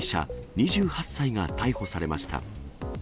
２８歳が逮捕されました。